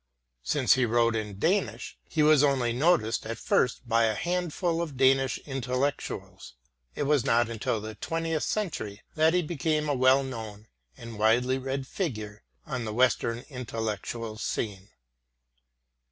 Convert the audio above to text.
Since he wrote in Danish, he was only noticed at first by a handful of Danish intellectuals. It was not until the 20th century that he became a well known and widely read figure on the Western intellectual scene.